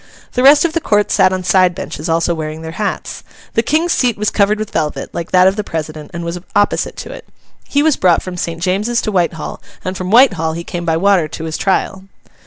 The rest of the Court sat on side benches, also wearing their hats. The King's seat was covered with velvet, like that of the president, and was opposite to it. He was brought from St. James's to Whitehall, and from Whitehall he came by water to his trial.